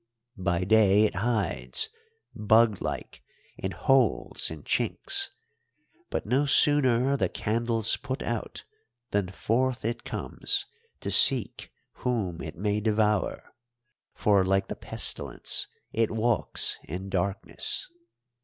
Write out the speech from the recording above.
By day it hides, bug like, in holes and chinks, but no sooner are the candles put out, than forth it comes to seek whom it may devour; for, like the pestilence, it walks in darkness.